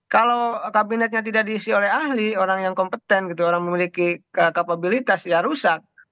kalau kabinetnya tidak diisi oleh ahli orang yang kompeten gitu orang memiliki kapabilitas ya rusak